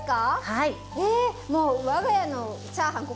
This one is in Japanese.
はい。